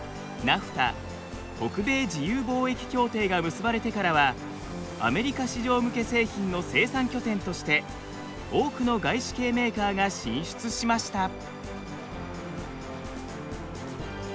ＮＡＦＴＡ北米自由貿易協定が結ばれてからはアメリカ市場向け製品の生産拠点として多くの外資系メーカーが進出しました。